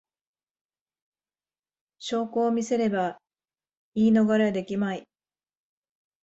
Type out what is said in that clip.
証拠を見せれば言い逃れはできまい